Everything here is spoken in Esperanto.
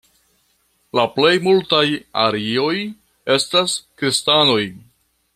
La plej multaj arioj estas kristanoj.